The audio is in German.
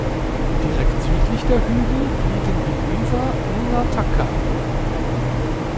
Direkt südlich der Hügel liegen die Weaver-Nunatakker.